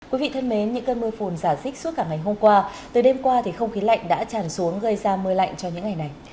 quý vị thân mến những cơn mưa phùn giả dích suốt cả ngày hôm qua từ đêm qua thì không khí lạnh đã tràn xuống gây ra mưa lạnh cho những ngày này